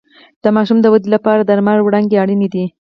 د ماشوم د ودې لپاره د لمر وړانګې اړینې دي